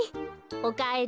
おかえり。